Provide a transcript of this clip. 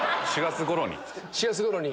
４月ごろに。